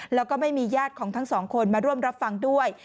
แล้วก็ไม่มีญาติของทั้งสองคนมาร่วมรับฟังด้วย